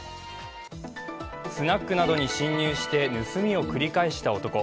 スナックなどに侵入して盗みを繰り返した男。